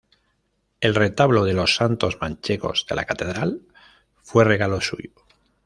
El retablo de los Santos Manchegos de la Catedral fue regalo suyo.